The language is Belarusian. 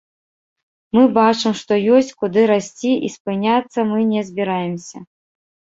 Мы бачым, што ёсць, куды расці, і спыняцца мы не збіраемся.